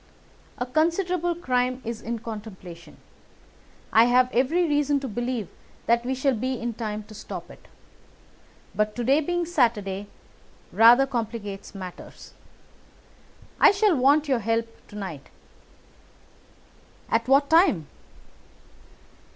"A considerable crime is in contemplation. I have every reason to believe that we shall be in time to stop it. But to day being Saturday rather complicates matters. I shall want your help to night." "At what time?"